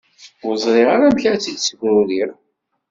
Ur ẓriɣ ara amek ara tt-id-ssefruriɣ?